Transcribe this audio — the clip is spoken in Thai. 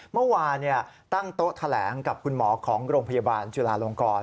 เมื่อวานตั้งโต๊ะแถลงกับคุณหมอของโรงพยาบาลจุลาลงกร